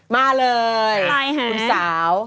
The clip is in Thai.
มาเลยคุณสาว